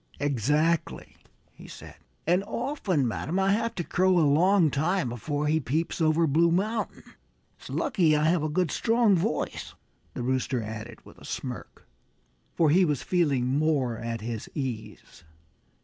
"Exactly!" he said. "And often, madam, I have to crow a long time before he peeps over Blue Mountain. It's lucky I have a good, strong voice," the Rooster, added with a smirk, for he was feeling more at his ease.